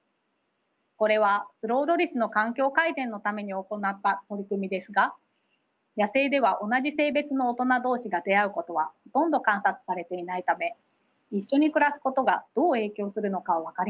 これはスローロリスの環境改善のために行った取り組みですが野生では同じ性別の大人同士が出会うことはほとんど観察されていないため一緒に暮らすことがどう影響するのかは分かりませんでした。